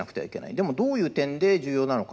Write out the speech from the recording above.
でもどういう点で重要なのか？